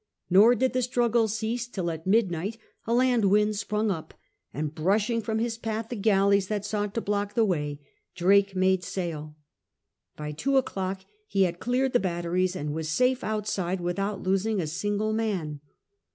Nor did the struggle cease till at midnight a land wind sprang up, and brushing from his path the galleys that sought to block the way, Drake made sail. By two o'clock he had cleared the batteries and was safe outside without losing a single man.